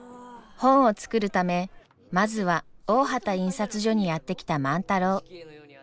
本を作るためまずは大畑印刷所にやって来た万太郎。